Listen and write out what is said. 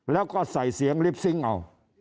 แล้วก็ใส่เสียงลิปซิงค์เอา